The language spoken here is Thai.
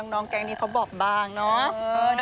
น้องแกล้งนี้เขาบอกบางเนอะ